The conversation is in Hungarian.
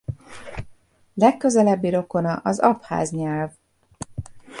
Legközelebbi rokona az abház nyelv.